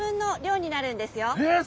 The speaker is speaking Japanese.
えっ